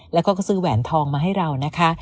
แล้วก็ซื้อแหวนทองมาให้เรานะคะ